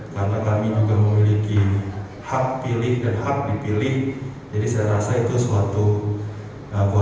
karena kami juga memiliki hak pilih dan hak dipilih